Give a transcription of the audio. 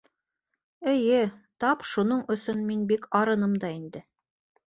Эйе, тап шуның өсөн мин бик арыным да инде.